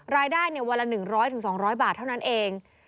รายได้วันละ๑๐๐๒๐๐บาทเท่านั้นเอง